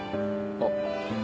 あっ。